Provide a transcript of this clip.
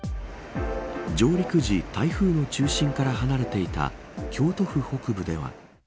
上陸時、台風の中心から離れていた京都府北部では。